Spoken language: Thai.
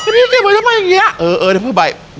รถรกต์ที่สุด